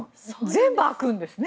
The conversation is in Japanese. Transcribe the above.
全部開くんですね。